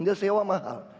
dia sewa mahal